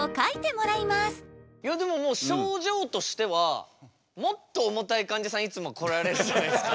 もう症状としてはもっと重たいかんじゃさんいつも来られるじゃないですか。